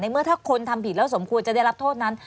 เมื่อถ้าคนทำผิดแล้วสมควรจะได้รับโทษนั้น